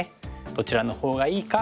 どちらのほうがいいか。